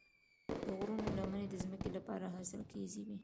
د غرونو لمنې د ځمکې لپاره حاصلخیزې وي.